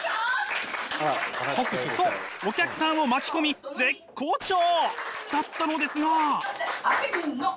とお客さんを巻き込み絶好調！だったのですが。